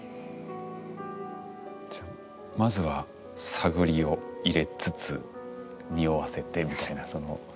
じゃあまずは探りを入れつつ匂わせてみたいなその。